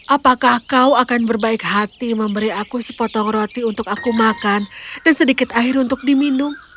apakah kau akan berbaik hati memberi aku sepotong roti untuk aku makan dan sedikit air untuk diminum